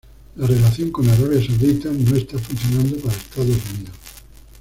La relación con Arabia Saudita no está funcionando para Estados Unidos.